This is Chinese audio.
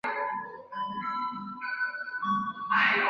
圣多明戈斯杜普拉塔是巴西米纳斯吉拉斯州的一个市镇。